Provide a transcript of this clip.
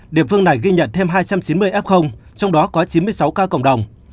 địa phương này ghi nhận thêm hai trăm chín mươi f trong đó có chín mươi sáu ca cộng đồng